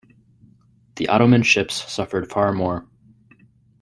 The Ottoman ships suffered far more.